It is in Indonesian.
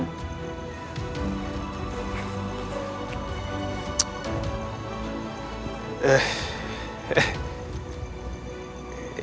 bisa meneruskan perjuangan islam